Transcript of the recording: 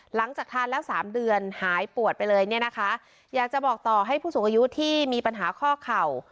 หลังจากทานแล้วสามเดือนหายปวดไปเลยเนี่ยนะคะอยากจะบอกต่อให้ผู้สูงอายุที่มีปัญหาข้อเข่า